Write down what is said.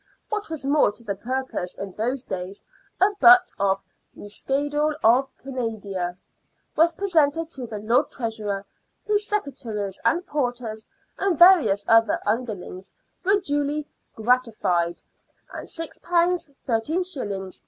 What was more to the purpose in those days, a butt of " muscadel of Candia " was presented to the Lord Treasurer, whose secretaries and porters and various other underlings were duly " gratified," and TROUBLE WITH LORD PRESIDENT. 35 £6 13s.